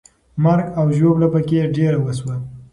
مرګ او ژوبله پکې ډېره وسوه.